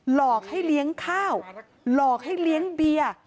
หลอกให้เลี้ยงข้าวหลอกให้เลี้ยงเบียร์